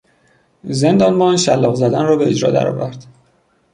زندانبان شلاق زدن را به اجرا درآورد.